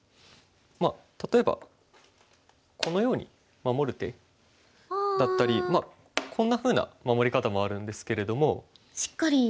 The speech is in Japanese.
まあ例えばこのように守る手だったりまあこんなふうな守り方もあるんですけれども。